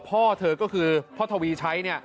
พ่อเธอก็คือพ่อทวีชัย